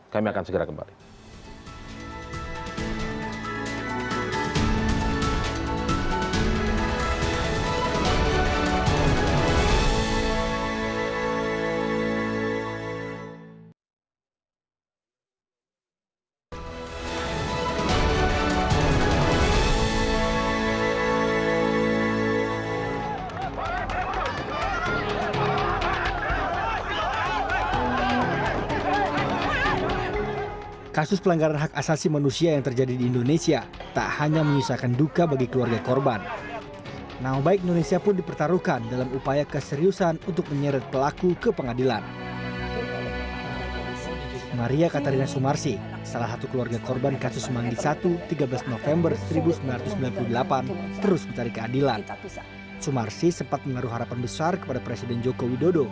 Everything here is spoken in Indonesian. kami akan segera kembali